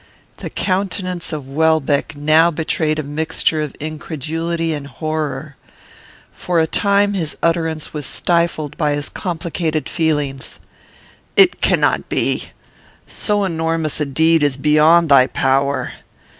The countenance of Welbeck now betrayed a mixture of incredulity and horror. For a time his utterance was stifled by his complicated feelings: "It cannot be. So enormous a deed is beyond thy power.